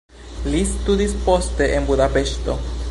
Li studis poste en Budapeŝto.